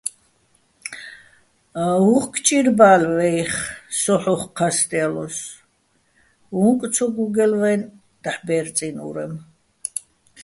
უ̂ხკ ჭირბალო̆ ვა́იხ, სო ჰ̦ოხ ჴასტჲალოსო̆, უ̂ნკ ცო გუგე́ლო̆ ვაჲნი̆ დაჰ̦ ბე́რწინი̆ ურემ.